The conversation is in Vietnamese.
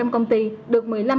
bảy mươi công ty được